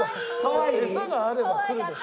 餌があれば来るでしょ。